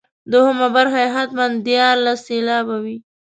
دوهمه برخه یې حتما دیارلس سېلابه وي.